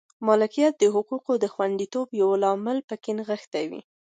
د ملکیت حقونو د خوندیتوب یو لامل په کې نغښتې وې.